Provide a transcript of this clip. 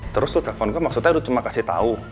terus lo telpon gue maksudnya lo cuma kasih tau